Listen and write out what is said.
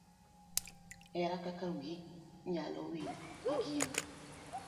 Here kaka wiyi nyalo wil gi gino.